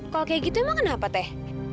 kalau kayak gitu emang kenapa teh